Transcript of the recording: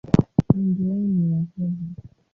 Wengi wao ni Wahehe.